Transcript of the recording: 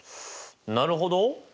なるほど。